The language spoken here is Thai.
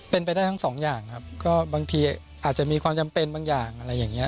เป็นไปได้ทั้งสองอย่างครับก็บางทีอาจจะมีความจำเป็นบางอย่างอะไรอย่างเงี้